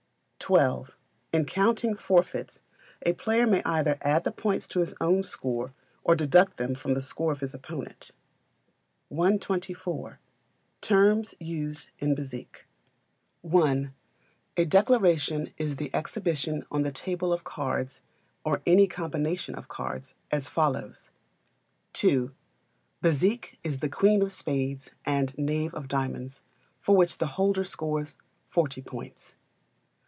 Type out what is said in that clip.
xii. In counting forfeits a player may either add the points to his own score or deduct them from the score of his opponent. 124. Terms used in Bezique. i. A Declaration is the exhibition on the table of any cards or combination of, cards, as follows: ii. Bezique is the queen of spades and knave of diamonds, for which the holder scores 40 points.